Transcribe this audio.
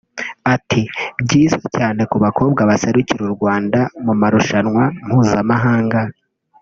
Ati” Byiza cyane ku bakobwa baserukira u Rwanda mu marushanwa mpuzamahanga